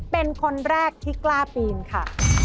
เป็นคนแรกที่กล้าปีนค่ะ